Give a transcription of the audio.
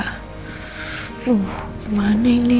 aduh gimana ini